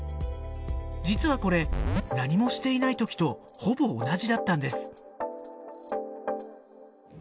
実はこれ何もしていない時とほぼ同じだったんです。